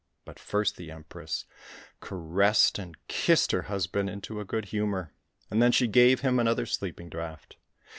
But first the Empress caressed and kissed her husband into a good humour, and then she gave him another sleeping draught.